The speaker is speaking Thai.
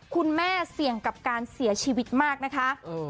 คุณแม่เสี่ยงกับการเสียชีวิตมากนะคะ